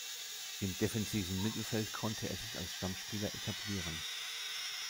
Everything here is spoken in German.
Im defensiven Mittelfeld konnte er sich als Stammspieler etablieren.